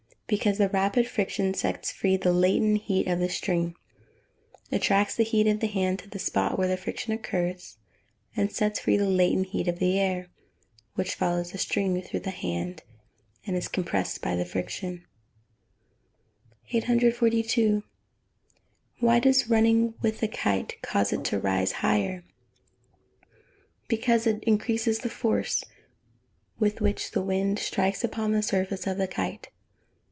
_ Because the rapid friction sets free the latent heat of the string, attracts the heat of the hand to the spot where the friction occurs, and sets free the latent heat of the air, which follows the string through the hand, and is compressed by the friction. 842. Why does running with the kite cause it to rise higher? Because it increases the force with which the wind strikes upon the surface of the kite.